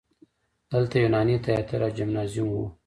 دلته یوناني تیاتر او جیمنازیوم و